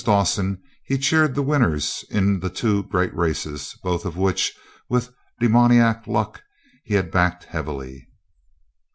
Dawson, he cheered the winners in the two great races, both of which, with demoniac luck, he had backed heavily.